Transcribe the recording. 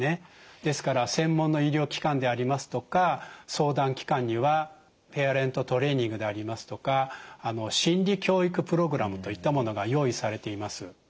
ですから専門の医療機関でありますとか相談機関にはペアレントトレーニングでありますとか心理教育プログラムといったものが用意されています。